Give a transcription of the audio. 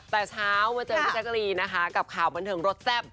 แต่เช้ามาเจอพี่แจ๊กรีนนะคะกับข่าวบันเทิงรสแซ่บ